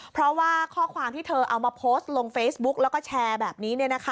เพราะว่าข้อความที่เธอเอามาโพสต์ลงเฟซบุ๊กแล้วก็แชร์แบบนี้